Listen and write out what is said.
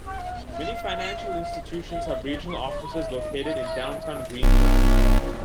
Many financial institutions have regional offices located in downtown Greenville.